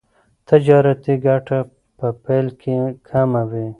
تجارتي ګټه په پیل کې کمه وي.